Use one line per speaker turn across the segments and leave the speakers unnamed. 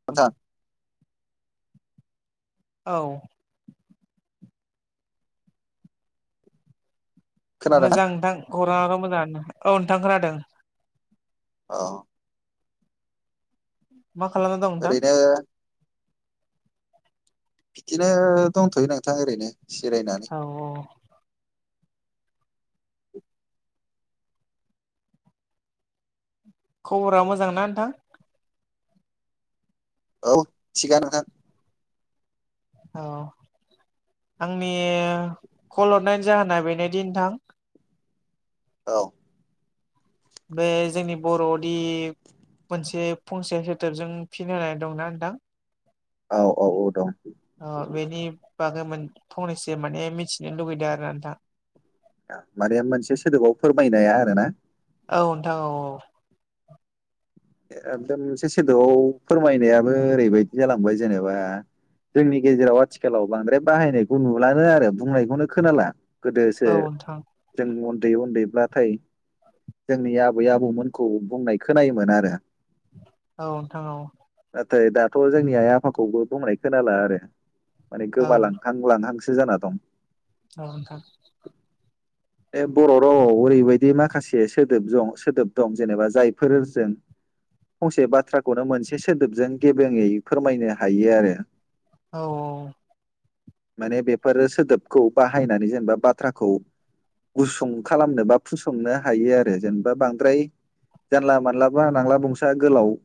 [unintelligible]
औ।
खोनादों ना
मोजां नोंथां खौराङाथ' मोजाङानो औ नोंथां खोनादों।
औ।
मा खालामना दं नोंथां?
ओरैनो बिदिनो दंथयो नोंथां ओरैनो। जिरायनानै
औ औ। खबरा मोजां ना नोंथां?
औ थिगानो नोंथां।
औ आंनि कल हरनायनि जाहोना बेनोदि नोंथां
औ।
बे जोंनि बर'नि मोनसे फंसे सोदोबजों फिन होनाय दंना नोंथां।
औ औ औ दं
ओ बेनि बांगै मोन फंनैसो माने मिथिनो लुुबैदों आरो ना नोंथां।
माने मोनसे सोदोबाव फोरमायनाया आरो ना?
औ नोंथां औ औ।
एकदम मोनसे सोदोबआव फोरमायनायाबो ओरैबायदि जालांबाय जेनेबा जोंनि गेजेराव आथिखालाव बांद्राय बाहायनायखौ नुलानो आरो बुंनायखौनो खोनाला। गोदोसो
औ नोंथां
जों उन्दै उन्दैब्लाथाय जोंनि आबै-आबौमोनखौ बुंनाय खोनायोमोन आरो।
औ नोंथां औ।
नाथाय दाथ' जोंनि आइ-आफाखौबो बुंनाय खोनाला आरो माने
औ
गोमालांखो हां लाना हांसो जाना दं।
औ नोंथां।
[inaudible] बे बर' रावआव ओरैबायदि माखासे सोदोब जं सोदोब दं जेनेबा जायफोरजों फंसे बाथ्राखौनो मोनसे सोदोबजों गेबेङै फोरमायनो हायो आरो।
औ औ।
माने बेफोरो सोदोबखौ बाहायनानै जेनेबा बाथ्राखौ गुसुं खालामनो बा फुसंनो हायो आरो जेनेबा बांद्राय जानला-मानला बा नांला-बंसाया गोलाव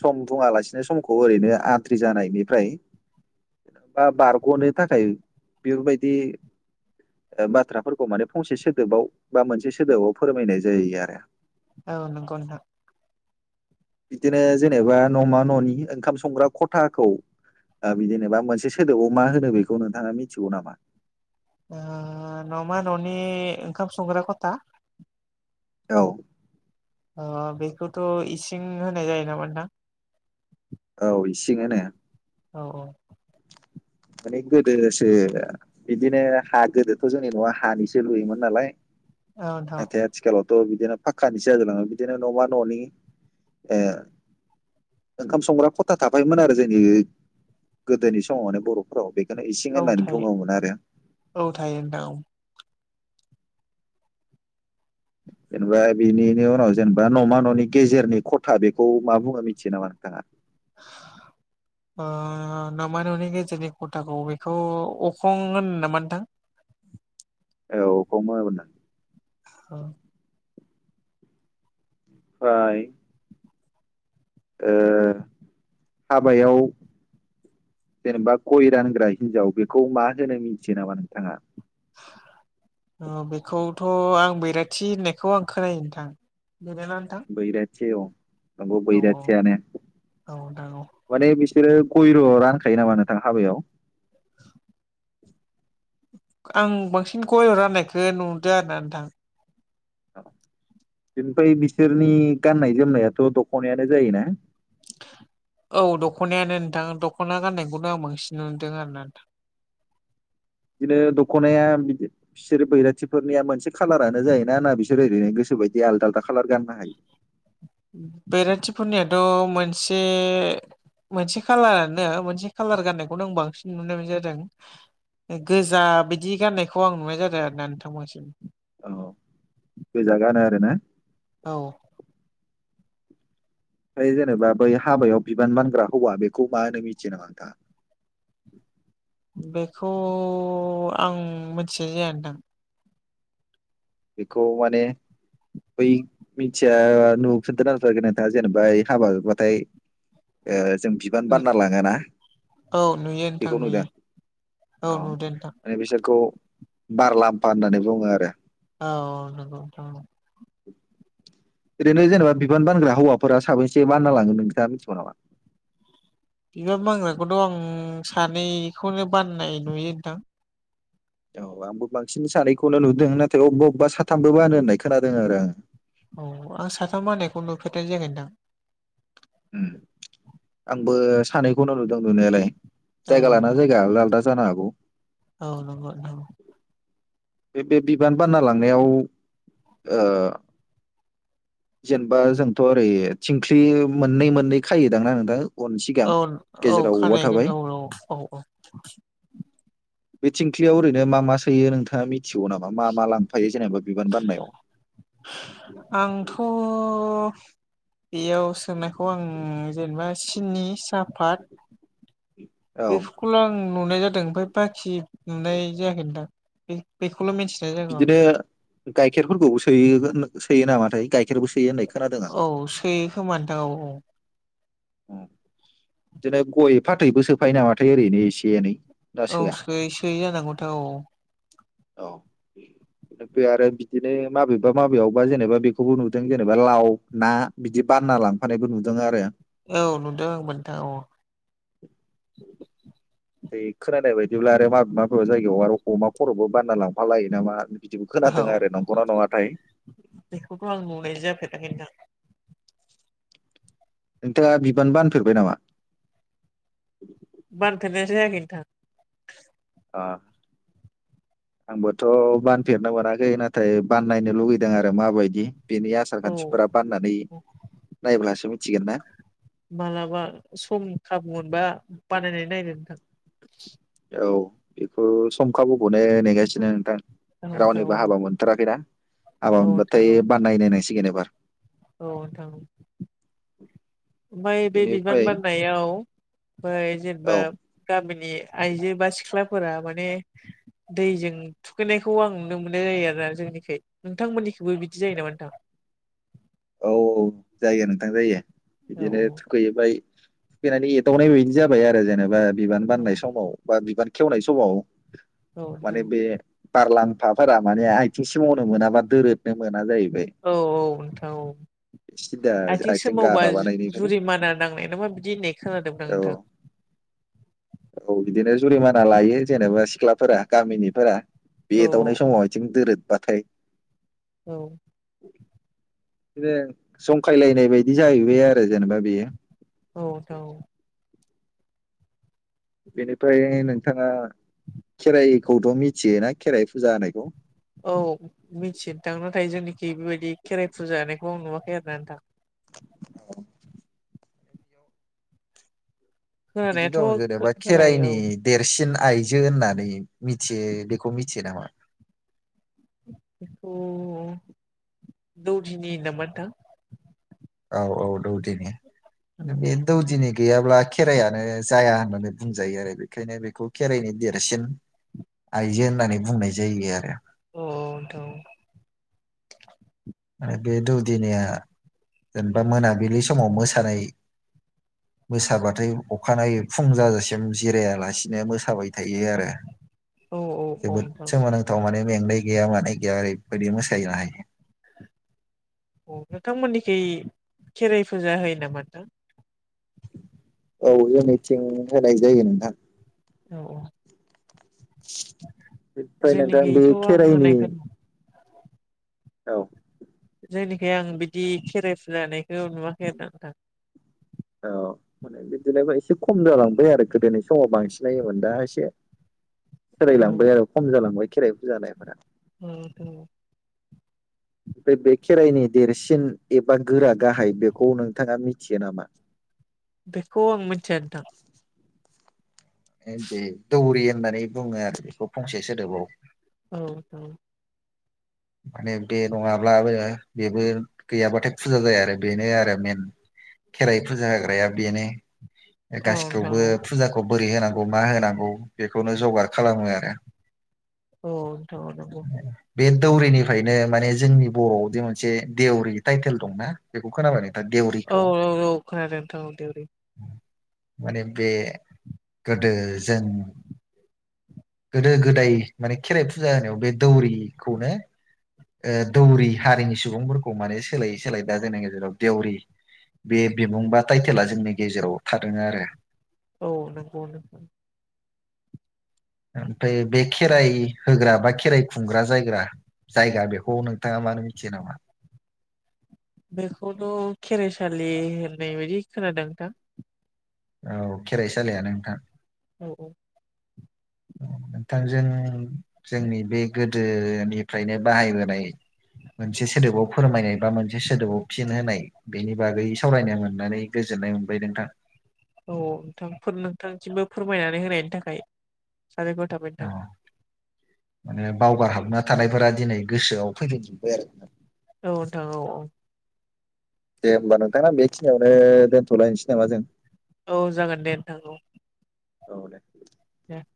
सम बुङालासिनो समखौ ओरैनो आद्रि जानायनिफ्राय बा बारग'नो थाखाय बेफोर बायदि ओ बाथ्राफोरखौ माने फंसे सोदोबाव बा मोनसे सोदोबाव फोरमायनाय जायो आरो।
औ नंगौ नोंथां।
बिदिनो जेनेबा न'मा न'नि ओंखाम संग्रा खथाखौ ओ बि जेनेबा मोनसे सोदोबाव मा होनो बेखौ नोंथाङा मिथिगौ नामा?
ओ न'मा न'नि ओंखाम संग्रा खथा
औ।
ओ बेखौथ' इसिं होनाय जायो नामा नोंथां?
औ इसिं होनो।
औ औ।
माने गोदोसो बिदिनो हा गोदोथ' जोंनि न'आ हानिसो लुयोमोन नालाय
औ नोंथां
नाथाय आथिखालावथ' बिदिनो फाक्कानिसो जाजोबलाङो बिदिनो न'मा न'नि ओ ओंखाम संग्रा खथा थाफामोन आरो जोंनि गोदोनि समाव माने बर' फोराव बेखौनो इसिं
औ
होननानै
थायो
बुङोमोन आरो।
औ थायो नोंथां औ।
जेनेबा बिनिनि उनाव जेनेबा न'मा न'नि गेजेरनि खथा बेखौ मा बुङो मिथियो नामा नोंथाङा? [inaudible]
ओ नोमा न'नि गेजेरनि खथाखौ बेखौ अखं होनो नामा नोंथां?
औ अखम [unintelligible]
औ।
फ्राय ओ हाबायाव जेनेबा गय रानग्रा हिनजाव बेखौ मा होनो मिनथियो नामा नोंथाङा? [inaudible]
औ बेखौथ' आं बैराथि होननायखौ आं खोनायो नोंथां। बेनोना नोंथां?
बैराथि औ आवबो
औ
बैराथियानो।
औ नोंथां औ।
माने बिसोरो गयल रानखायो नामा नोंथां हाबायाव?
आं बांसिन गयल' राननायखो नुदों आरोना नोंथां।
अ बेनिफाय बिसोरनि गाननाय जोमनायाथ' दख'नायानो जायोना?
औ दख'नायानो नोंथां दख'ना गाननायखौनो आं बांसिन नुदों आरो ना नोंथां।
बिदिनो दखनाया बिदि बिसोरो बैराथिफोरनिया मोनसे खालारानो जायोना होनना बिसोर ओरैनो गोसो बायदि आलदा आलदा खालार गाननो हायो?
बेराथि फोरनियाथ' मोनसे मोनसे खालारानो मोनसे कालार गाननायखौनो आं बांसिन नुनाय बायदि जादों। गोजा बिदि गाननायखौ आं नुनाय जादों आरो ना नोंथां बांसिन।
औ गोजा गानो आरोना।
औ।
फ्राय जेनेबा बै हाबायाव बिबान मानग्रा हौवा बेखौ मा होनो मिथियो नामा नोंथाङा?
बेखौ आं मोन्थिनाय जाया नोंथां।
बिखौ माने बै मिन्थिया नुफेरदोंना नुफेराखै नोंथाङा जेनेबा हाबा बाथाय ओ जों बिउ बिबान बान्ना लाङोना
औ नुयो नोंथां
बेखौ
नुयो
नुदों?
औ
अ
नुदों नोंथां
माने बिसोरखौ बारलाम्फा होननानै बुङो आरो।
औ नोंगौ नोंथां औ।
[inaudible] ओरैनो जेनेबा बिनग्रा हौवाफोरा साबैसे बान्ना लाङोन नोंथाङा मिथिगौ नामा?
बिबार बानग्राखौथ' आं सानैखौनो बाननाय नुयो नोंथां।
औ आंबो बांसिन सानैखौनो नुदों नाथाय अबबा अबबा साथामबो बानो होननाय खोनादों आरो आङो।
औ आं साथाम मानायखौ नुफेरनाय जागोनदां।
उम आंबो सानैखौनो नुदों नुनायालाय
औ
जायगा लाना जायगा आलदा आलदा जानो हागौ।
औ नंगौ नोथां औ।
बे बे बिबान बानना लांनायाव ओ जेनेबा जोंथ ओरै थिंख्लि मोननै मोननै खायोदांना नोंथां? उन सिगां
औ औ
गेजेराव औवा
खानायगोन
थाबाय
औ औ औ औ।
बि थिंखलियाव ओरैनो मा मा सोयो नोंथाङा मिथ मिथिगौ नामा मा मा लांफायो जेनेबा बिबान बाननायाव?
अ बेयाव सोंनायखौ आं जेनेबा सिनि सापात
औ
बेफोरखौल आं नुनाय जादों ओमफ्राय बाखि नुनाय जायाखै नोंथां। बेखौल मिन्थिनाय जागौ आं।
बिदिनो गाइखेरफोरखौबो सोयो सोयो नामाथाय गाइखेरबो सोयो होननाय खोनादों आं
औ सोयो खोमा नोंथां औ औ।
बिदिनो गय फाथैबो सोफायो नामाथाय ओरैनो एसे एनै। ना
औ
सोआ
सोयो सोयो जानांगौ नोंथा औ।
औ। आरो बिदिनो माबेबा माबेयावबा जेनेबा बेखौबो नुदों जेनेबा लाव ना। बिदि बानना लांफानायबो नुदों आरो।
औ नुदों आबो नोंथां औ।
बै खोनानाय बायदिब्ला आरो मा माबबा जायगायाव आरो अमा खरबो बानना लांफालायो नामा। बिदिबो
औ
खोनादों आरो नंगौना नङाथाय।
बेखौथ आं नुनाय जाफेराखै नोंथां।
नोंथाङा बिबान बानफेरबाय नामा?
बानफेरनाय जायाखै नोंथां।
ओ आंबोथ बानफेरनो मोनाखै नाथाय बाननायनो लुुबैदों आरो माबायदि। बेनि आसार
औ।
खान्थिफोरा बाननननै नायब्लासो मिथिगोनना।
मालाबा सम खाबु मोनबा बानायनानै नायदो नोंथां।
औ बेखौ सम खाबुखौनो नेगासिनो नोंथां।
नोंथां।
रावनिबो
औ नोंथां औ
हाबा मोनथाराखैना हाबा
औ नोंथां
मोनबाथाय
औ
बाननाय नायनांसिगोन एबार।
औ नोंथां।
[inaudible]
ओमफ्राय बे बिबान
बेनिफ्राय
बाननायाव बै
औ
जेनेबा गामिनि आइजो बा सिख्लाफोरा माने दैजों थुखैनायखौ आं नुनो मोननाय जायो आरोना जोंनिखै नोंथांमोननिखौबो बिदि जायो नामा नोंथां?
औ औ जायो नोंथां जायो
औ
बिदिनो थुखैबाय थुखैनानै एदावनाय बेदिनो जाबाय आरो जेनेबा बिबान बाननाय
औ
समाव। बा बिबार खेवनाय समाव
औ नोंथां
माने बे बारलामफाफोरा माने आथिं सि मावनो मोनाबा दोरोदनो मोना जाहैबाय।
औ औ नोंथां औ।
सिदा
आथिं
गा
सोमावबा
माबानायनिफ्रायनो
जुरिमाना नांनाय नामा बिदि होननाय खोनादों आं
औ
नोंथां।
औ बिदिनो जुरिमाना लायो जेनेबा सिख्लाफोरा गामिनिफोरा। बे
औ
एदावनाय समाव आथिं दोरोदबाथाय।
औ।
बिनो जंखायलायनाय बायदि जाहैबाय आरो जेनेबा बेयो।
औ नोंथां औ।
बेनिफ्राय नोंथाङा खेराइखौथ' मिथियोना खेराइ फुजा होनायखौ।
औ मिथिनो नोंथां नाथाय जोंनिखि बेबायदि खेराइ फुजा होनानायखौ आं नुवाखै आरो ना नोंथां।
[inaudible] बिदि
खोनानायाथ'
दं जेनेबा
खोनायो
खेराइनि देरसिन आइजो होननानै मिथियो बेखौ मिथियो नामा?
बेखौ दौदिनि होनो मोन नोंथां।
औ औ दौदिनि
औ
बे दौदिनि। गैयाब्ला खेरायानो जाया होननानै बुंजायो आरो बेखायनो बेखौ खेराइनि देरसिन। आइजो होननानै बुंनाय जायो आरो।
अ नोंथां।
आरो बे दौदिनिया जेनेबा मोनाबिलि समाव मोसानाय। मोसाबाथाय अखानायै फुं जाजासिम जिरायालासिनो मोसाबाय थायो आरो।
औ औ औ
जोबोद
नोंथां
सोमोनांथाव माने मेंनाय गैया मानाय गैया ओरैबायदि मोसायो हायो।
नोंथांमोननिखै खेराइ फुजा होयो नामा नोंथां।
औ जोंनिथिं होनाय जायो नोंथां।
औ
बेनिफ्राय नोंथां बे
जोंनिखैथ' आं
खेराइनि
होनायखौ
औ
जोंनिखै आं बिदि खेराइ फुजानायखौ नुवाखै आरो नोंथां
औ बिदिनो एसे खम जालांबाय आरो गोदोनि समाव बांसिन नायोमोन दा एसे
औ
सोलायलांबाय आरो खम जालांबाय खेराइ फुजा होनायफोरा
औ
ओमफ्राय बे खेराइनि देरसिन एबा गोरा गाहाय बेखौ नोंथाङा मिथियो नामा
बेखौ आं मिथिया नोंथां
दे दौरि होननानै बुङो आरो बेखौ फंसे सोदोबाव
औ औ
माने बे नङाब्लाबो बेबो गैयाब्लाथाय फुजा जाया आरो बेनो आरो मेेन खेराइ फुजा होग्राया बेनो
औ नोंथां
गासिखौबो
औ
फुजाखौ बोरै होनांगौ मा होनांगौ बेखौनो जगार खालामो आरो
औ नोंथां औ नंगौ
बे दौरिनिफ्रायनो माने जोंनि बर'आवदि मोनसे देवरि टाइटेल दंना बेखौ खोनाबाय
औ
देवरिखौ
औ औ खोनादों नोंथां औ देउरि
माने बे गोदो जों गोदो गोदाय माने खेराइ फुजा होनायाव बे दौरिखौनो ओ दौरि हारिनि सुबुंफोरखौ माने सोलायै सोलायै दा जोंनि गेजेराव देउरि बे बिबुं बा टाइटेला जोंनि गेजेराव थादों आरो
औ नंगौ नंगौ
ओमफ्राय बे खेराइ होग्रा बा खेराइ खुंग्रा जायग्रा जायगा बेखौ नोंथाङा मानो मिथियो नामा
बेखौथ' खेराइसालि होननाय बायदि खोनादों नोंथां
औ खेराइसालियानो नोंथां
औ-औ
नोंथांजों जोंनि बे गोदोनिफ्रायनो बाहायबोनाय मोनसे सोदोबाव फोरमायनाय बा मोनसे सोदोबाव फिन होनाय बेनि बागै सावरायनो मोननानै गोजोननाय मोनबाय नोंथां
औ-औ नोंथां नोंथांसिमबो फोरमायनानै होनायनि थाखाय साबायखर थाबाय
औ
नोंथां
माने बावगार हाबना थानायफोरा दिनै गोसोआव फैफिनजोब्बाय आरो
औ नोंथां औ औ
दे होमबा नोंथा ना बेखिनियावनो दोनथ'लायनोसै नामा जों
औ जागोन दे नोंथां औ
औ दे
दे